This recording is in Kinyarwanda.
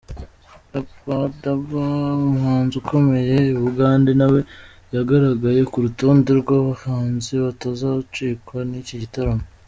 Rabadaba umuhanzi ukomeye i Bugande nawe yagaragaye kurutonde rw'abahanzi batazacikwa n'iki gitaramo.